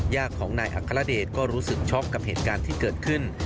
ญาติของนายอัครเดชก็รู้สึกช็อกกับเหตุการณ์ที่เกิดขึ้น